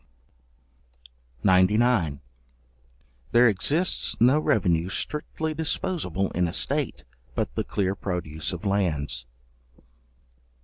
§99. There exists no revenue strictly disposable in a state, but the clear produce of lands.